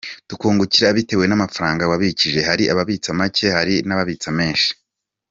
Tukungukira bitewe n’amafaranga wabikije, hari ababitsa make hari n’ababitsa menshi.